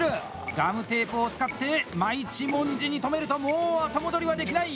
ガムテープを使って真一文字に留めるともう後戻りはできない！